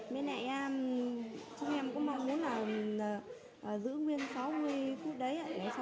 mấy đại em chúng em có mong muốn là giữ nguyên sáu mươi phút đấy